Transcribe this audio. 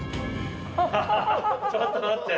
◆ちょっと待って。